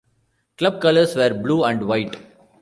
Club colours were blue and white.